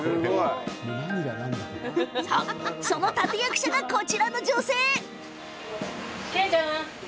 その立て役者がこちらの女性。